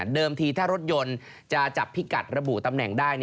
ทีถ้ารถยนต์จะจับพิกัดระบุตำแหน่งได้